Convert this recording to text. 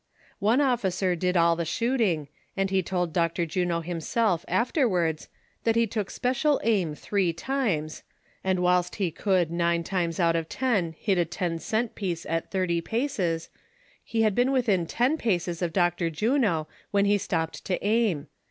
One officer did all the shooting, and he told Dr. Juno himself, afterwards, that he took special aim three times, and whilst he could nine times out of ten hit a ten cent piece at thirty paces, he had been within ten paces of Dr. Juno when he stopped to aim.